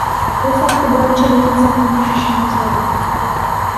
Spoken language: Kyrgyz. Бул факты боюнча милиция кылмыш ишин козгоду.